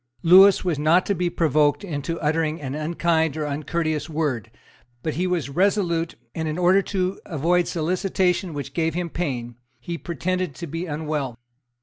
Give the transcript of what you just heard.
Lewis was not to be provoked into uttering an unkind or uncourteous word: but he was resolute and, in order to avoid solicitation which gave him pain, he pretended to be unwell.